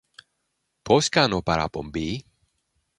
Πώς κάνω παραπομπή;